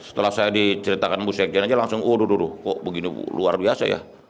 setelah saya diceritakan bu sekjen aja langsung waduh waduh kok begini luar biasa ya